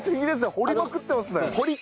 掘りまくってますね。